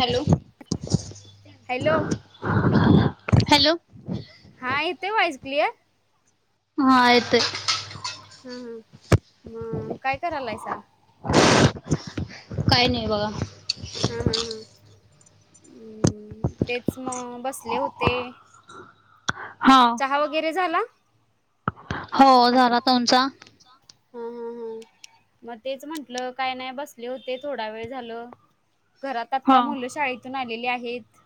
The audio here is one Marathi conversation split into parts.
हॅलो हॅलो हा येते व्हाईज क्लिअर हा आयत हम्म हम्म म काय करायलायसा हा हा हा तेच मग बसले होते हा हा वगैरे झाला हो झाला तुमचा चा हम् हम हम् मग तेच म्हंटलं काय नाही बसले होते थोडा वेळ झालं घरात आता मुलं शाळेतून आलेली आहेत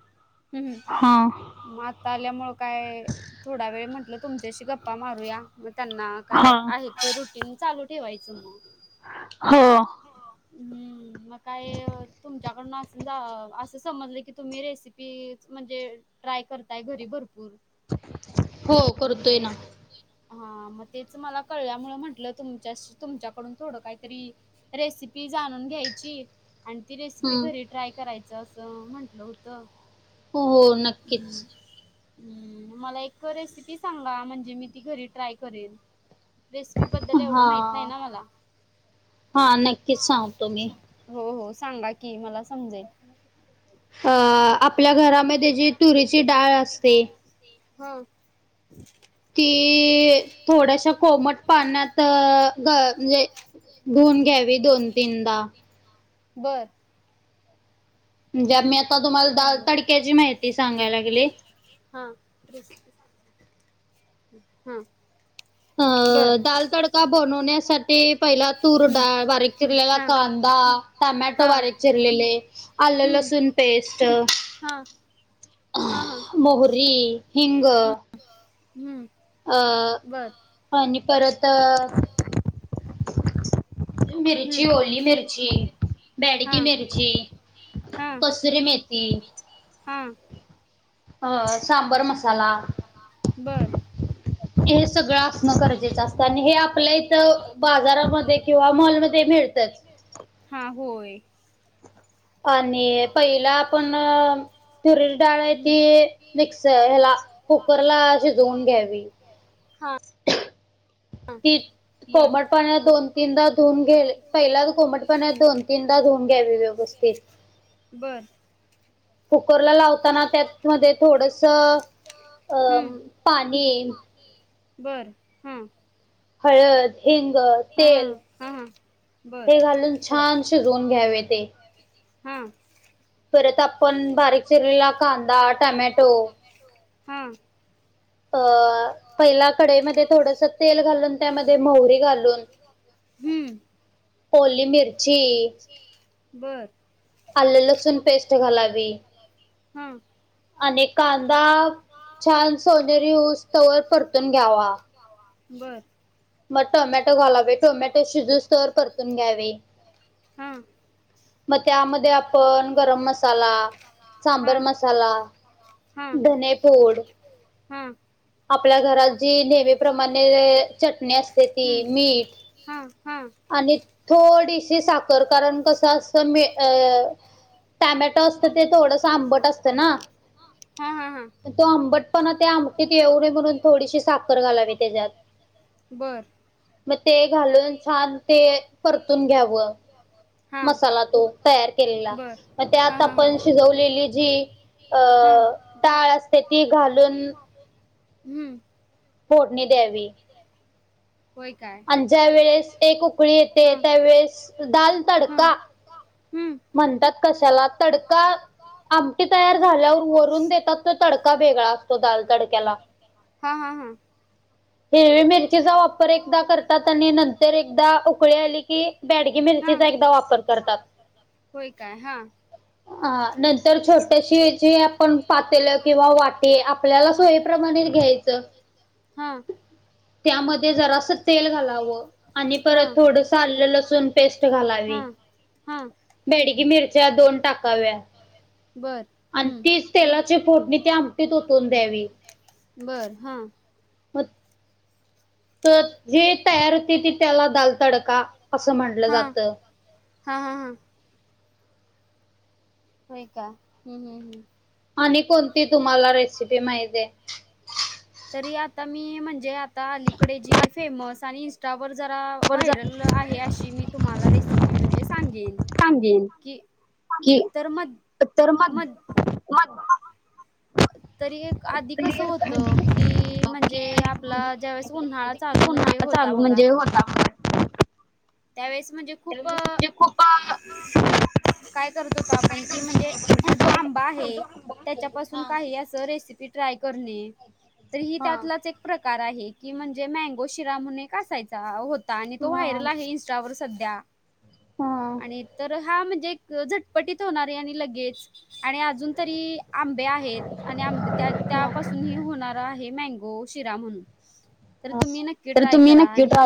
हम् मग आता आल्यामुळ काय थोडा वेळ म्हटलं तुमच्याशी गप्पा मारूया म त्यांना काय आहे ते रुटीन चालू ठेवायचं मग हो हम् मग काय तुमच्याकडून असं समजलं की तुम्ही रेसिपी म्हणजे ट्राय करताय घरी भरपूर हो करतोय ना हा मग तेच मला कळल्यामुळे म्हंटलं तुमच्या तुमच्याकडून थोडं काहीतरी रेसिपी जाणून घ्यायची आणि ती रेसिपी घरी ट्राय करायचं असं म्हंटलं होतं हम् हम् मला एक रेसिपी सांगा म्हणजे मी ती घरी ट्राय करेन रेसिपी बद्दल एवढं माहत नाही ना मला हा नक्कीच सांगतो मी हो हो सांगा की मला समजेल अ आपल्या घरामध्ये जी तुरीची डाळ असते होां ती थोड्याशा कोमट पाण्यात ग म्हणजे धून घ्यावी दोन तीनदा बरं म्हणजे मी आता तुम्हाला दाल तडक्याची माहिती सांगायला लागली हा रिस् हम्म अ दाल तडका बनवण्यासाठी पहिला तूर डाळ बारीक चिरलेला कांदा टमॅटो बारीक चिरलेले आलं लसूण पेस्ट अ मोहरी हिंग हम्म. अ आणि परत आ.. मिर्ची ओली मिर्ची बॅडकी मिर्ची. कसुरीे मेथी. हां. अ सांबर मसाला. बरं. हे सगळ असत हे आपल्या बाजारामध्ये किंवा मॉलमध्ये.. हा होय. आणि पहिला आपण तुरीची डाळ आहे ती मिक्स ह्याला.. कुकरला शिजवून घ्यावी. ती.. कोमट पाण्यात दोन तीनदा धुून घ्या पहिला कोमट पाण्यात दोन तीनदा धुवून घ्यावी व्यवस्थित. बर. कुकरला लावताना त्यातमध्ये थोडस अं पाणी... बर ह. हळद. हिंग तेल हे घालून छान शिजवून घ्यावे ते. हां. परत आपण बारीक चिरलीला कांदा टमॅटो... हा. ह. पहिला कडईमध्ये थोडस तेल घालून त्यामध्ये मोहरी घालून.. ओली मिर बर. आले लसण पेस्ट घालावी. हम. आणि कांदा छान सोनेरी होऊस तंवर परतून घ्यावा. बरं. मग टोमॅटो घालावे टोमॅटो शिजू स तोवर परतून घ्यावे हा. मग त्यामध्ये आपण गरम मसाला सांबर मसाला.. धनेपूड. हा. आपल्या घरात जी नेहमीप्रमाणे चटणी असते ती मीठ. हा हम. आणि थोडीशी साखर कारण कसं असं मे अ... टमॅटो असतं ते थोडस आंबट असतं ना तो आंबट.. पण त्या अमटीत येऊ नये म्हणून थोडीशी साखर घालावी त्याच्यात. बरं. ते. ते घालून ा ते परतून घ्यावं. मसाला तो तयार केलेला मग त्या आता आपण शिजवलेली जी... अ डाळ असते ती घालून.. हम्म. फोटणी द्यावी. रिकामा ऑडिओ आणि ज्या वेळेस एक उकळी येते त्यावेेळेस दाल तडका.. म्हणतात कशाला तडका आमटी तयार झाल्यावर वरून देतात तर तडका वेगळा असतो दाल तडक्याला. हिरवी मिरचीचा वापर एकदा करतात आणि नंतर एकदा उकळी आली की, बॅडगी मिरचीचा एकदा वापर करतात. होय काय हा. अ नंतर छोट्याशी जी आपण पातेल किंवा वाटी आपल्याला सोयीप्रमाणे घ्याय [unintelligible] हां. हा, हा. हा. बेडगी मिरच्या दोन टाकाव्या. बरं. आणि तीच तेलाची फोडणी, ती आमटीत ओतून द्यावी. बर हा. म, त हे तयार होते ते त्याला, दाल तडका असं म्हटलं जातं. हा हा हा. होय का? हम्म हम्म हम्म. आणि कोणती तुम्हाला रेसिपी माहिते. तरी आता मी म्हणजे, आता अलीकडे जी फेमस आणि इन्स् त्यावर जरा व्हायरल आहे अशी मी तुम्हाला रेसिपी म्हणजे सांगीन. कि तर मग मग मग तरी, एक आधी कसं होत की, म्हणजे आपला, ज्यावेेळेस उन्हाळा चालू, म्हणजे होत चालू म्हणजे हो त्यावेळेस म्हणजे त्यावेळेस म्हणजे खूप काय करत होतो आपण की, म्हणजे जो आंबा आहे. त्याच्यापासून काही अस रेसिपी ट्राय करणे, तर ही त्यातलाच एक प्रकार आहे, की म्हणजे मँगो शिरा म्हणून असायचा, होता. आणि तो व्हायरल आहे इन्स् च्या वर सध्या, आणि तर हा म्हणजे एक झटपटीत होणारे, आणि लगेच आणि अजून तरी आंबे आहेत, आणि आंबे त्या त्यापासून हे होणार आहे मँगो, शिरा म्हणून तर तुम्ही नक्की ट्राय करा, आणि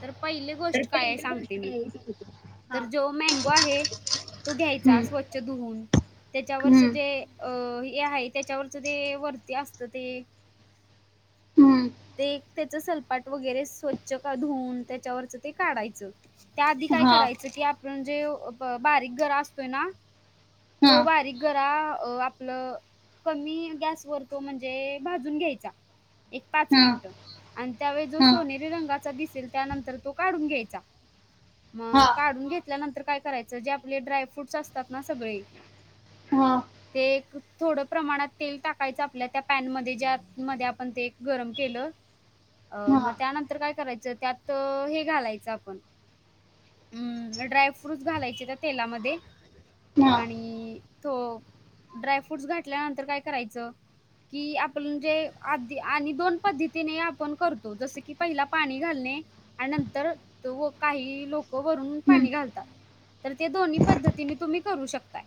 तर पहिली गोष्ट कायये सांगते मी, तर जो मँंगो आहे, तो घ्यायचा स्वच्छ धुवून, त्याच्यावरच जे अ हे आहे त्याच्यावरच ते वरती असत ते, हम्म. ते त्याचं सलपाट वगैरे स्वच्छ, का धुऊन त्याच्यावरच ते काढायचं. त्या आधी काय करायचं की, आपण जे बारीक गर असतोय ना. तो बारीक गरा आपलं, कमी गॅस वर तो म्हणजे, भाजून घ्यायचा, एक पाच मिनट. आणि त्यावेळी जो सोनेरी रंगाचा दिसेल, त्यानंतर तो काढून घ्यायचा. मग काढून घेतल्यानंतर काय करायचं, जे आपले ड्राय फ्रूट्स असतात ना सगळे. हा. ते एक थोडं प्रमाणात तेल टाकायचं, आपल्या त्या पॅनमध्ये ज्या मध्ये आपण ते, गरम केलं, अ मग त्यानंतर काय करायचं, त्यात हे घालायचं आपण. हम्म ड्राय फ्रुट्स घालायचे त्या तेलामध्ये, आणि हो, ड्रायफ्रूटस घातल्यानंतर काय करायचं? की, आपण जे आधी आणि दोन पद्धतीने आपण करतो, जस की पहिला पाणी घालणे. आणि नंतर त व काही लोक वरून पाणी घालतात. तर ते दोन्ही पद्धतीने तुम्ही करू शकताय.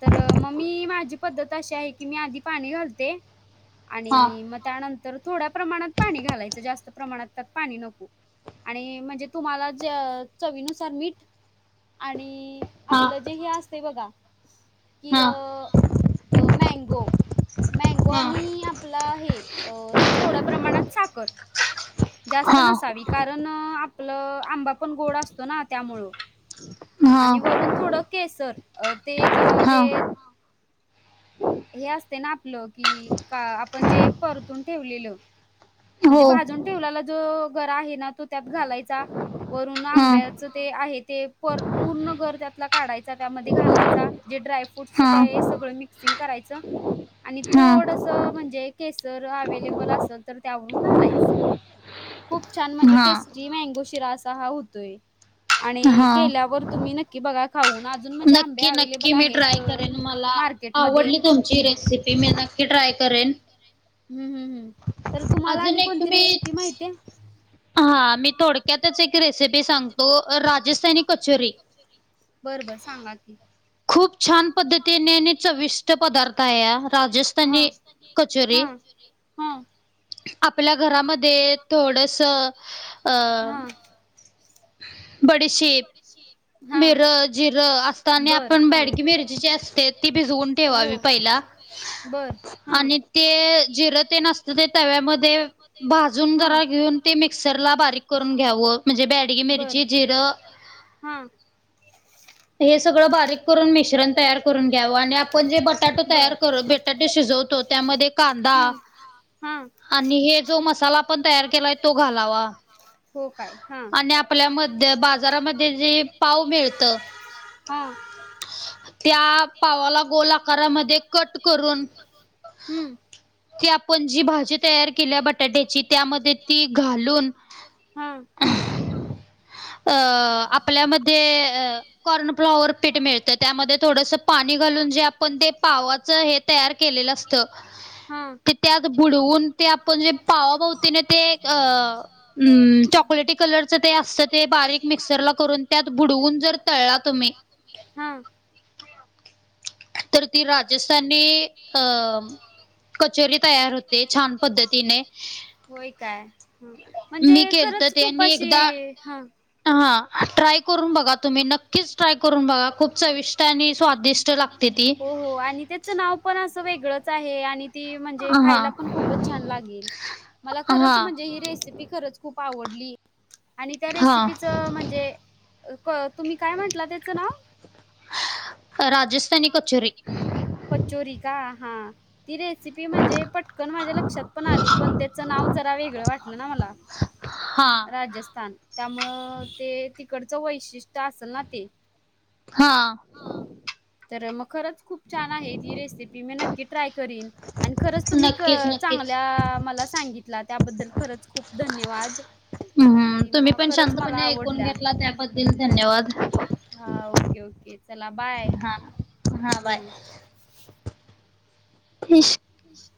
तर मग मी माझी पद्धत अशी आहे की, मी आधी पाणी घालते, आणि म त्यानंतर थोड्या प्रमाणात पाणी घालायचं, जास्त प्रमाणात त्यात पाणी नको. आणि म्हणजे तुम्हाला ज चवीनुसार मीठ आणि आपलं जे हे असते बघा कि अ अ मँगो -मँगो आणि आपला हे अ थोड्या प्रमाणात साखर जास्त नसावी कारण प आपलं आंबा पण गोड असतो ना. त्यामुळे आणि वरून थोड केसर ते जे ते हे असते ना आपलं की का आपण जे परतून ठेवलेल म्हणजे भाजून ठेवल्याला जो गर आहे ना तो त्यात घालायचा वरून आंब्या ते आहे ते पूर्ण गर त्यात काढायचा त्यामध्ये घालायचा जे ड्राय फ्रुट फूटच सगळं मिक्सिंग करायचं आणि थोडस म्हणजे केसर अवेलेबल असेल तर त्यावरून घालायच खूप छान म्हणजे टेस्टी मँगो शिरा असा हा होतोय आणि केल्यावर तुम्ही नक्की कि बघा खाऊ नक्की -नक्की मी ट्राय करेन मला आवडली तुमची रेसिपी मी की ट्राय करेन हम्म- हम् -हम, तर तुम्हाला आणि कोणती रेसिपी माहितीे? हा मी थोडक्यातच एक रेसिपी सांगतो, राजस्थानी कचोरी. बर बर सांगा की. खूप छान पद्धतीने चविष्ट पदार्थ आहे हा, राजस्थानी कचोरी. ह. आपल्या घरामध्ये थोडस, अ बडी शे बडीशेप मिरे -जीरे असताना आपण बेडगी मिरची जी असते ती भिजवून ठेवावी पहिली. आणि ते जिर ते न असतं ते तव्यामध्ये भाजून जरा घेऊन ते मिक्सरला बारीक करून घ्यावं म्हणजे बॅडगी मिरची जिरं हा हे सगळं बारीक करून मिश्रण तयार करून घ्यावं आणि आपण जे बटाटो तयार करू बटाटे शिजवतो त्यात कांदा आणि हा जो मसाला मसाला आपण जो तयार केलेला तो घालावा, होय काय? आपल्यामध्ये बाजारामध्ये जे पाव मिळतं हो त्या पावाला गोल आकारामध्ये कट करून ते आपण आपतची भाजी तयार केली बटाट्याची त्यामध्ये ती घालून अ..... आपल्यामध्ये कॉर्न फ्लॉवर पीठ मिळत त्यामध्ये थोडस पाणी घालून जे आपण ते पावाच हे तयार केलेलं असतं हा त्यात बुडवून ते आपलं जे पावते ना ते म् चॉकलेटी कलरच ते असतं ते बारी बारीक मिक्सर करून बुडवून ते तळायचे तुम्ही तर ती राजस्थानी अं कचोरी तयार होते छान पद्धतीने, होय काय? म्हणजे खरंच खूप अशी हा ट्राय करून बघा तुम्ही नक्कीच ट्राय करून बघा खूप चविष्ट आणि स्वादिष्ट लागते ती हो आणि त्याचं नाव पण असं वेगळंच आहे आणि ती म्हणजे खायला पण खूपच छान लागेल मला खरच म्हणजे ही रेसिपी ती खरंच खूप आवडली आणि त्या रेसिपीचं म्हणजे तुम्ही काय म्हटलं त्याचं नाव राजस्थनी कोचेोरी कचोरी का हा ती रेसिपी म्हणजे पटकन माझ्या लक्षात पण आली पण त्याचं नाव जरा वेगळं वाटलं ना मला हा राजस्थान त्यामु ते तिकडचं वैशिष्ट्य असेल ना ते हा तर मग खरंच खूप छान आहेत ही रेसिपी मी नक्की ट्राय करीन आणि खरंच तुम्ही चांगल्या मला सांगितला त्याबद्दल खरंच खूप धन्यवाद हम्म् तुम्ही पण शांतपणे ऐकून घेतला त्याबद्दल धन्यवाद हा ओके ओके चला बाय हा बाय खश ह्